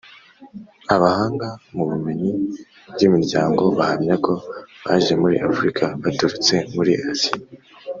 abahanga mu bumenyi bw’imiryango bahamya ko baje muri afrika baturutse muri aziya